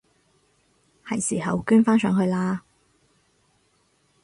係時候捐返上去喇！